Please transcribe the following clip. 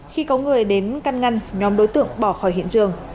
khi có người đến căn ngăn nhóm đối tượng bỏ khỏi hiện trường